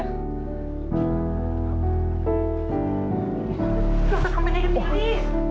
เราจะทำเป็นไงกันดี